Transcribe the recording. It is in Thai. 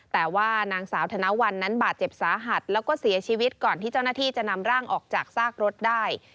แต่ว่านางสาวธนวันนั้นบาดเจ็บสาหัสแล้วก็เสียชีวิตก่อนที่เจ้าหน้าที่จะนำร่างออกจากซากรถได้